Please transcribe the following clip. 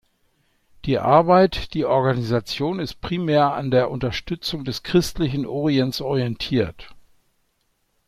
Die Arbeit die Organisation ist primär an der Unterstützung des Christlichen Orients orientiert.